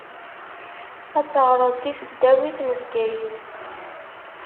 Ad teɣṛeḍ di tesdawit n Bgayet.